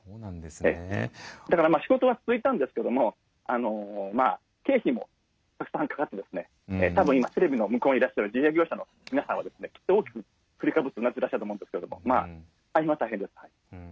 だからまあ仕事は続いたんですけども経費もたくさんかかってですね多分今テレビの向こうにいらっしゃる自営業者の皆さんはきっと大きく振りかぶってうなずいてらっしゃると思うんですけれどもまあ大変は大変です。